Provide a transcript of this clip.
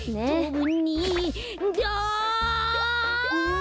ん？